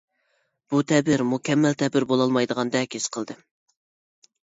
بۇ تەبىر مۇكەممەل تەبىر بولالمايدىغاندەك ھېس قىلدىم.